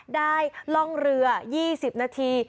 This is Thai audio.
ล่องเรือ๒๐นาที